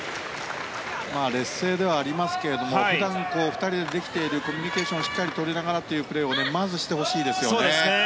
劣勢ではありますけれども普段２人でできているコミュニケーションをしっかりとりながらというプレーをまずしてほしいですよね。